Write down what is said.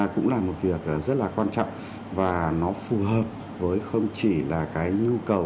cũng là một việc rất là quan trọng và nó phù hợp với không chỉ là cái nhu cầu